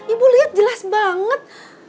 ibu liat jelas banget